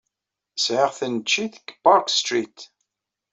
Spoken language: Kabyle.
Sɛiɣ taneččit deg Park Street.